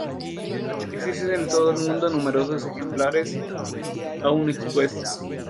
Existen en todo el mundo, numerosos ejemplares aún expuestos.